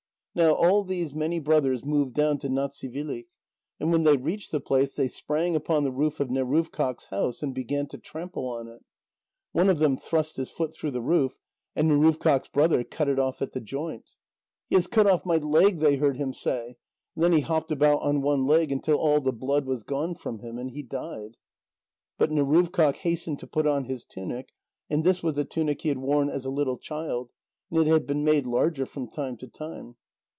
Now all these many brothers moved down to Natsivilik, and when they reached the place, they sprang upon the roof of Neruvkâq's house and began to trample on it. One of them thrust his foot through the roof, and Neruvkâq's brother cut it off at the joint. "He has cut off my leg," they heard him say. And then he hopped about on one leg until all the blood was gone from him and he died. But Neruvkâq hastened to put on his tunic, and this was a tunic he had worn as a little child, and it had been made larger from time to time.